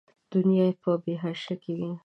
دنیا یې په حاشیه کې وي.